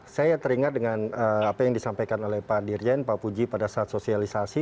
saya teringat dengan apa yang disampaikan oleh pak dirjen pak puji pada saat sosialisasi